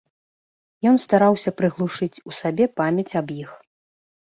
Ён стараўся прыглушыць у сабе памяць аб іх.